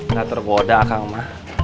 nggak terboda kang ma